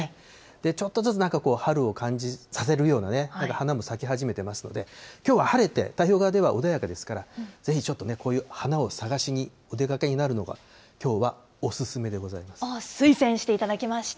ちょっとずつ、なんかこう春を感じさせるような花も咲き始めてますので、きょうは晴れて、太平洋側では穏やかですから、ぜひちょっとね、こういう花を探しにお出かけになるのがきょうはおすすめでござい推薦していただきました。